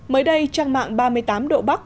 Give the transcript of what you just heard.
mới đây trang mạng ba mươi tám độ bắc